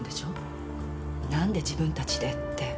何で自分たちでって。